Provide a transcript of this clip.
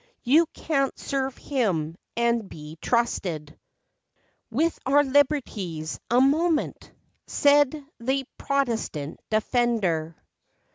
You can't serve him, and be trusted With our liberties a moment," Said the Protestant defender.